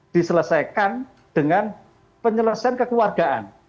diselesaikan dengan penyelesaian kekeluargaan